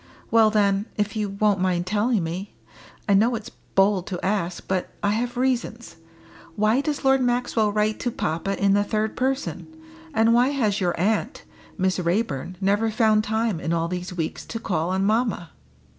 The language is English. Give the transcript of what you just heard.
Well then, if you won't mind telling me I know it's bold to ask, but I have reasons why does Lord Maxwell write to papa in the third person, and why has your aunt, Miss Raeburn, never found time in all these weeks to call on mamma?"